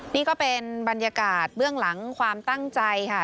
นี่ก็เป็นบรรยากาศเบื้องหลังความตั้งใจค่ะ